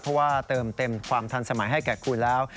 เพราะว่าเติมเต็มความทันสมัยให้แก่คุณแล้ว